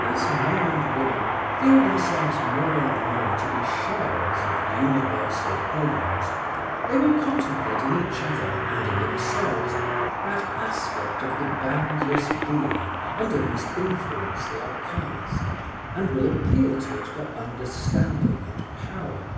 As men and women feel themselves more and more to be sharers of universal aims, they will contemplate in each other and in themselves that aspect of the boundless being under whose influence they are cast, and will appeal to it for understanding and power.